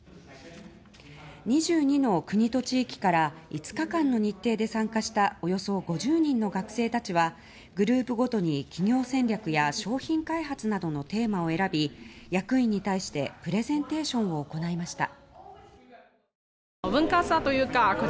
２２の国と地域から５日間の日程で参加したおよそ５０人の学生たちはグループごとに企業戦略や商品開発などのテーマを選び役員に対してプレゼンテーションを行いました。